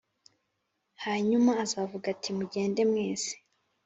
Hanyuma azavuga ati mugende mwese